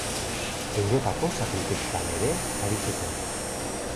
Europako txapelketetan ere aritu zen.